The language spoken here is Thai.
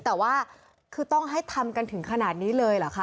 แต่ว่าคือต้องให้ทำกันถึงขนาดนี้เลยเหรอคะ